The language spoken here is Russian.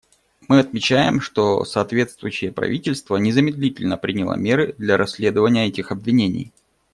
Мы отмечаем, что соответствующее правительство незамедлительно приняло меры для расследования этих обвинений.